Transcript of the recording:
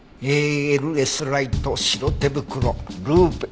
ＡＬＳライト白手袋ルーペ。